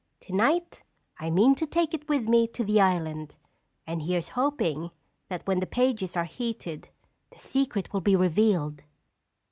Tonight I mean to take it with me to the island. And here's hoping that when the pages are heated, the secret will be revealed!"